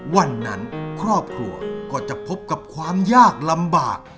วันนั้นครอบครัวก็จะพบกับความยากลำบาก